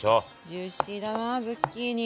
ジューシーだなズッキーニ。